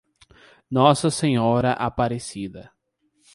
Nossa Senhora Aparecida